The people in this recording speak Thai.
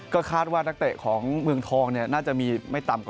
ก็คาดว่านักเตะของเมืองทองน่าจะมีไม่ต่ำกว่า